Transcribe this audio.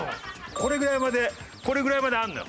これぐらいまでこれぐらいまであるのよ